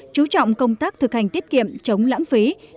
chú trọng công tác thực hành tiết kiệm chống lãng phí